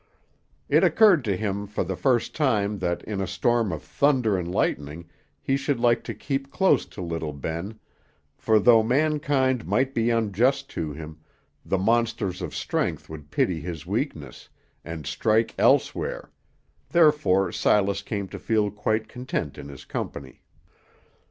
It occurred to him for the first time that in a storm of thunder and lighting he should like to keep close to little Ben, for though mankind might be unjust to him, the monsters of strength would pity his weakness, and strike elsewhere, therefore Silas came to feel quite content in his company.